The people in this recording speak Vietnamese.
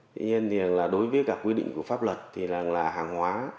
tuy nhiên thì đối với các quy định của pháp luật thì là hàng hóa